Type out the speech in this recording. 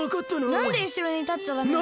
なんでうしろにたっちゃダメなの？